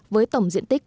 với tổng diện tích